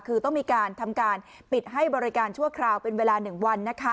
คือต้องมีการทำการปิดให้บริการชั่วคราวเป็นเวลา๑วัน